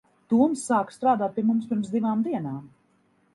Toms sāka strādāt pie mums pirms divām dienām.